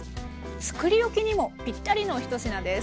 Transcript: つくり置きにもぴったりの一品です。